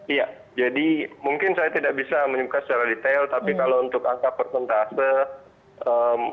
iya jadi mungkin saya tidak bisa menyebutkan secara detail tapi kalau untuk angka persentase